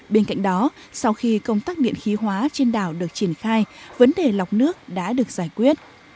bên cạnh đó sau khi công tác điện khí hóa trên đảo được triển khai vấn đề lọc nước đã được giải quyết